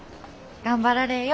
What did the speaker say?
頑張られえよ。